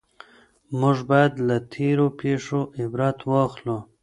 موږ بايد له تېرو پېښو عبرت واخلو.